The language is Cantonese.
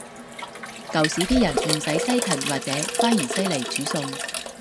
舊時啲人唔使西芹或者番芫茜來煮餸